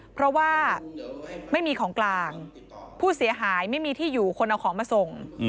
เพราะว่าไม่มีของกลางผู้เสียหายไม่มีที่อยู่คนเอาของมาส่ง